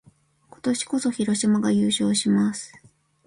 今年こそ、広島が優勝します！